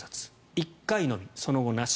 １回のみ、その後なし。